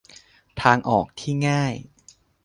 ทางออกที่ง่าย